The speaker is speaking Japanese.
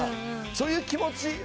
そういう気持ち。